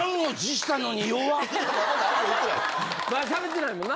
まだ喋ってないもんな。